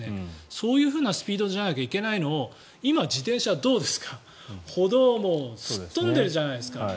そういうスピードじゃなきゃいけないのを今、自転車どうですか歩道をすっ飛んでるじゃないですか。